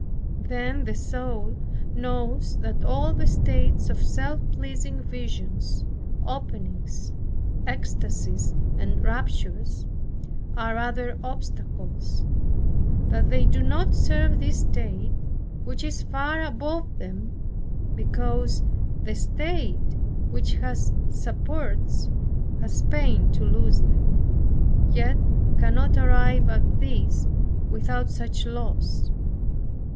Then the soul knows that all the states of self pleasing visions, openings, ecstasies and raptures, are rather obstacles; that they do not serve this state which is far above them; because the state which has supports, has pain to lose them; yet cannot arrive at this without such loss.